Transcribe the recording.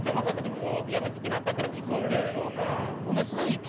「もうやみつきになった」っていうのは聞くんで。